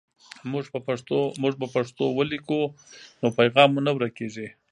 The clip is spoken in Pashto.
موږ په پښتو ولیکو نو پیغام مو نه ورکېږي.